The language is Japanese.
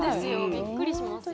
びっくりしますよね。